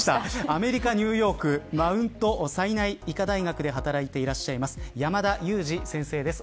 アメリカ、ニューヨークマウントサイナイ医科大学で働いていらっしゃいます山田悠史先生です。